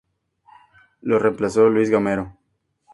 Lo reemplazó Luis Gamero.